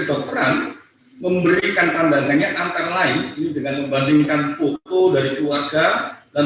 dokteran memberikan pandangannya antara lain ini dengan membandingkan foto dari keluarga dan